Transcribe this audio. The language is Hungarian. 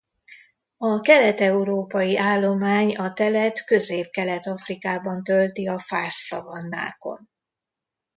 A kelet-európai állomány a telet Középkelet-Afrikában tölti a fás szavannákon.